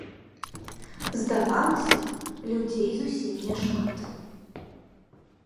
Здавалася, людзей зусім няшмат.